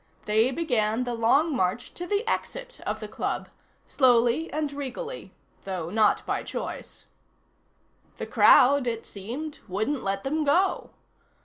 They began the long march to the exit of the club, slowly and regally, though not by choice. The crowd, it seemed, wouldn't let them go.